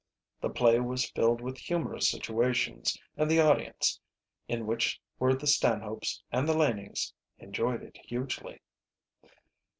The play was filled with humorous situations, and the audience, in which were the Stanhopes and the Lanings, enjoyed it hugely.